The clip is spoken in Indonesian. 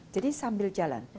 jadi sambil jalan